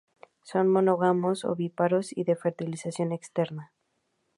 Son monógamos, ovíparos y de fertilización externa.